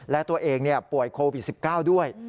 และตัวเองป่วยโควิด๑๙ด้วย